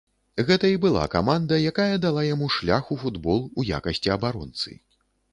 Гэта і была каманда, якая дала яму шлях у футбол у якасці абаронцы.